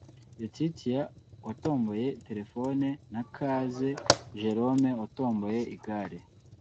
Laetitia watomboye terefone na Kaze Jerome watomboye igare